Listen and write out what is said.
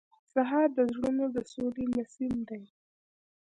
سهار د زړونو د سولې نسیم دی.